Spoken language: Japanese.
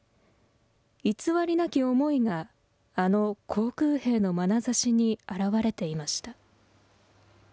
いつわりなき思いが、あの航空兵のまなざしに現れていました。